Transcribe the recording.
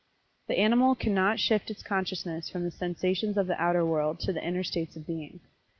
The animal cannot shift its consciousness from the sensations of the outer world to the inner states of being.